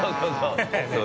そう